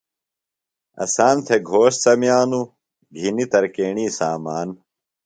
اسام تھےۡ گھوݜٹ سمیانوۡ، گِھنیۡ ترکیݨیۡ سامان